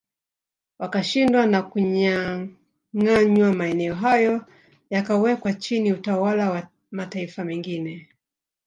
Wakashindwa na kunyanganywa maeneo hayo yakawekwa chini utawala wa mataifa mengine